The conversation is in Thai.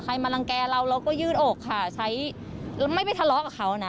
มารังแก่เราเราก็ยืดอกค่ะใช้ไม่ไปทะเลาะกับเขานะ